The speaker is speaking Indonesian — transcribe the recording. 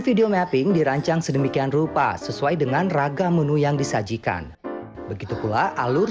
video mapping dirancang sedemikian rupa sesuai dengan ragam menu yang disajikan begitu pula alur